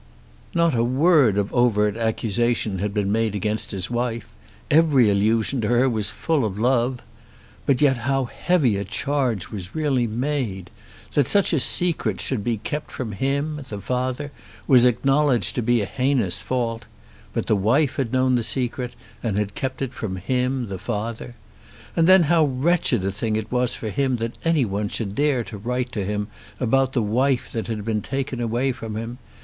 Not a word of overt accusation had been made against his wife. Every allusion to her was full of love. But yet how heavy a charge was really made! That such a secret should be kept from him, the father, was acknowledged to be a heinous fault; but the wife had known the secret and had kept it from him, the father! And then how wretched a thing it was for him that any one should dare to write to him about the wife that had been taken away from him!